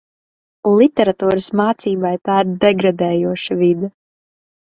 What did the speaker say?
Literatūras mācībai tā ir degradējoša vide.